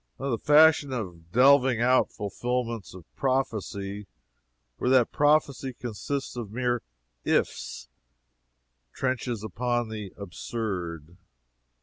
The fashion of delving out fulfillments of prophecy where that prophecy consists of mere "ifs," trenches upon the absurd.